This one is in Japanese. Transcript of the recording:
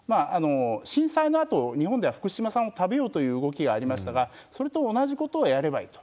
震災のあと、日本では福島産を食べようという動きがありましたが、それと同じことをやればいいと。